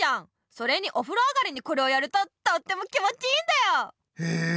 それにお風呂上がりにこれをやるととっても気持ちいいんだよ！へえ。